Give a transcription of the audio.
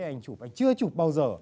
anh chụp ảnh chưa chụp bao giờ